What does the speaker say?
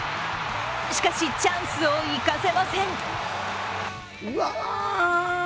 しかし、チャンスを生かせません。